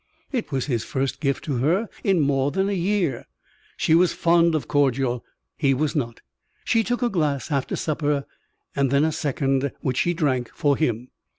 It was his first gift to her in more than a year. She was fond of cordial. He was not. She took a glass after supper and then a second, which she drank "for him."